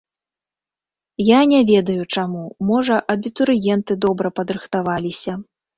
Я не ведаю, чаму, можа, абітурыенты добра падрыхтаваліся.